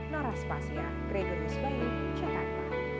norah spasnya gregor yusbayu ckk